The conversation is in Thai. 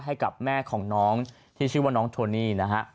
ให้กับแม่ของน้องที่ชื่อว่าน้องโทนี่นะฮะ